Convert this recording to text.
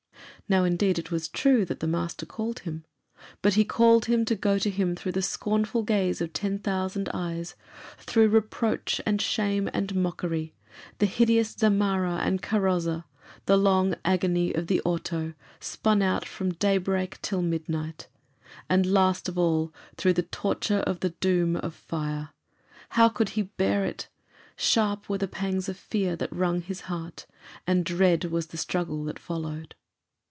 Now, indeed, it was true that the Master called him. But he called him to go to Him through the scornful gaze of ten thousand eyes; through reproach, and shame, and mockery; the hideous zamarra and carroza; the long agony of the Auto, spun out from daybreak till midnight; and, last of all, through the torture of the doom of fire. How could he bear it? Sharp were the pangs of fear that wrung his heart, and dread was the struggle that followed.